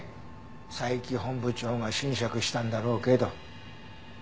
佐伯本部長が斟酌したんだろうけど。